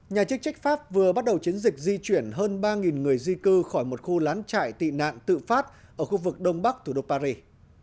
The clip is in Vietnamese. nhà chức trách pháp vừa bắt đầu chiến dịch di chuyển hơn ba người di cư khỏi một khu lán trại tị nạn tự phát ở khu vực đông bắc thủ đô paris